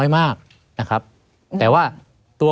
ไม่มีครับไม่มีครับ